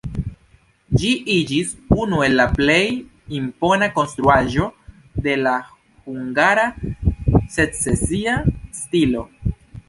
Ĝi iĝis unu el la plej impona konstruaĵo de la hungara secesia stilo.